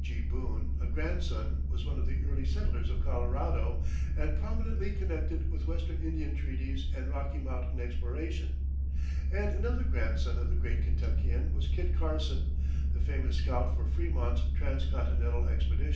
G. Boone, a grandson, was one of the early settlers of Colorado, and prominently connected with Western Indian treaties and Rocky Mountain exploration; and another grandson of the great Kentuckian was Kit Carson, the famous scout for Frémont's transcontinental expedition.